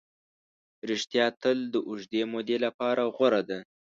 ریښتیا تل د اوږدې مودې لپاره غوره ده.